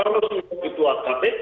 kalau ketua kpk